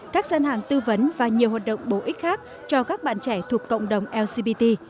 các gian hàng tư vấn và nhiều hoạt động bổ ích khác cho các bạn trẻ thuộc cộng đồng lcbt